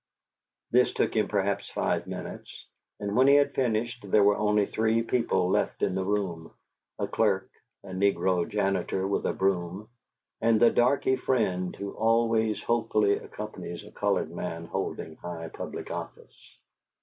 This took him perhaps five minutes, and when he had finished there were only three people left in the room: a clerk, a negro janitor with a broom, and the darky friend who always hopefully accompanies a colored man holding high public office.